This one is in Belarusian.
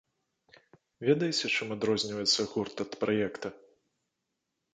Ведаеце, чым адрозніваецца гурт ад праекта?